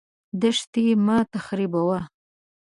دښتې مه تخریبوه.